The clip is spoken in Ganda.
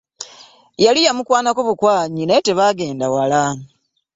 Yali yamukwanako bukwanyi naye tebaagenda wala.